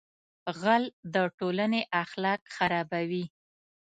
غل د ټولنې اخلاق خرابوي